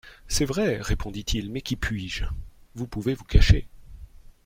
C'est vrai, répondit-il, mais qu'y puis-je ?… Vous pouvez vous cacher.